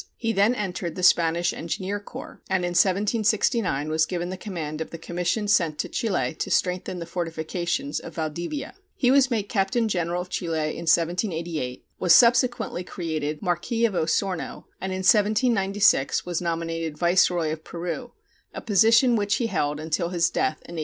He then entered the Spanish engineer corps, and in 1769 was given the command of the commission sent to Chile to strengthen the fortifications of Valdivia. He was made captain general of Chile in 1788, was subsequently created marquis of Osorno, and in 1796 was nominated viceroy of Peru, a position which he held until his death in 1801.